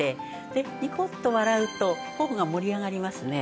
でニコッと笑うと頬が盛り上がりますね